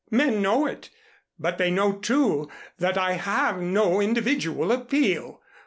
Men know it, but they know, too, that I have no individual appeal.